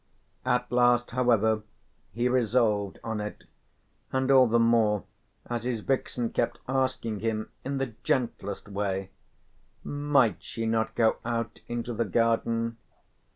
At last however he resolved on it, and all the more as his vixen kept asking him in the gentlest way: "Might she not go out into the garden?"